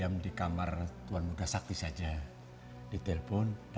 ada itu alasan mut football itu di trump world